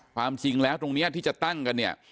ความจริงแล้วตรงนี้ที่จะตั้งกันเนี่ย